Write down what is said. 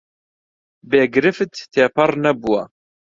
بێ گرفت تێپەڕ نەبووە